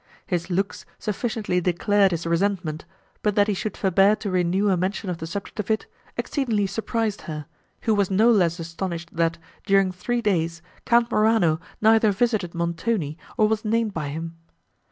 His looks sufficiently declared his resentment; but that he should forbear to renew a mention of the subject of it, exceedingly surprised her, who was no less astonished, that, during three days, Count Morano neither visited Montoni, nor was named by him.